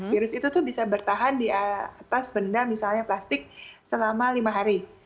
virus itu tuh bisa bertahan di atas benda misalnya plastik selama lima hari